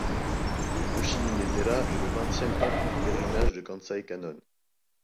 Le Yoshimine-dera est le vingtième temple du pèlerinage de Kansai Kannon.